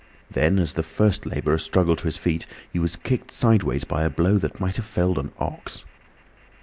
Then, as the first labourer struggled to his feet, he was kicked sideways by a blow that might have felled an ox.